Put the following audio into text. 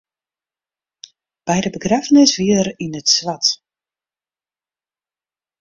By de begraffenis wie er yn it swart.